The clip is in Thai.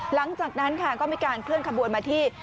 หลังจากนั้นค่ะก็มีการเคลื่อนขบวนมาที่